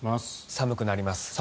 寒くなります。